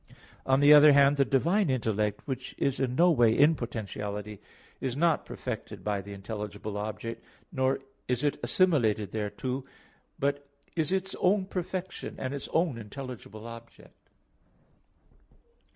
On the other hand, the divine intellect, which is no way in potentiality, is not perfected by the intelligible object, nor is it assimilated thereto, but is its own perfection, and its own intelligible object.